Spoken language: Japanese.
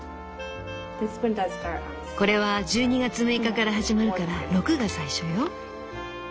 これは１２月６日から始まるから「６」が最初よ。